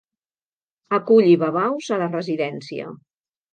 Aculli babaus a la residència.